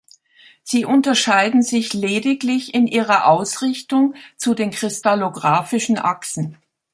Sie unterscheiden sich lediglich in ihrer Ausrichtung zu den kristallographischen Achsen.